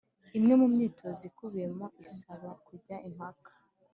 Imwe mu myitozo ikubiyemo isaba kujya impaka